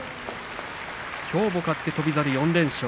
きょうも勝って翔猿、４連勝。